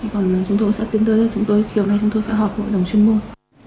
còn chúng tôi sẽ tiến tới chiều nay chúng tôi sẽ họp với đồng chuyên môn